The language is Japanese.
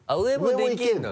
上もいけるの？